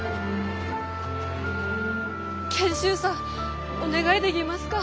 賢秀さんお願いでぎますか？